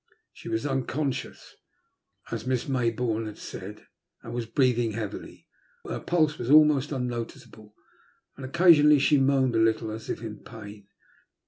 She was unconscious, as Miss Mayboume had said, and was breathing heavily. Her pulse was almost unnoticeable, and occasionally she moaned a little, as if in pain.